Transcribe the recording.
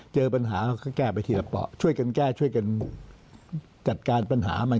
เจอปัญหาก็แก้ไปทีละเปราะช่วยกันแก้ช่วยกันจัดการปัญหามัน